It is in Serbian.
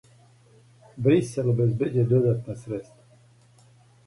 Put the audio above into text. Брисел обезбеђује додатна средства.